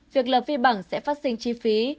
việc lập vi bằng sẽ phát sinh chi phí